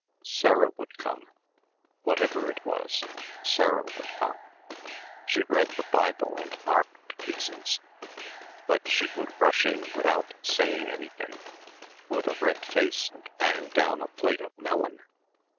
Sarah would come. Whatever it was, Sarah would come. She read the Bible and marked pieces.... But she would rush in without saying anything, with a red face and bang down a plate of melon....